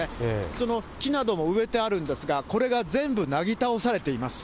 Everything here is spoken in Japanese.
その木なども植えてあるんですが、これが全部なぎ倒されています。